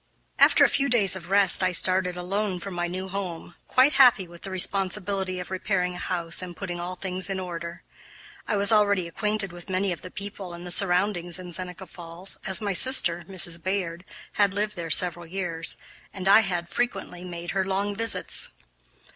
After a few days of rest I started, alone, for my new home, quite happy with the responsibility of repairing a house and putting all things in order. I was already acquainted with many of the people and the surroundings in Seneca Falls, as my sister, Mrs. Bayard, had lived there several years, and I had frequently made her long visits.